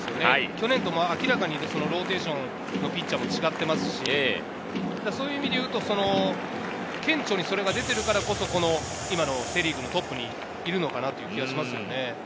去年と明らかにローテーションのピッチャーも違っていますし、そういう意味でいうと、顕著にそれが出ているからこそ、今のセ・リーグのトップにいるのかなという気がしますよね。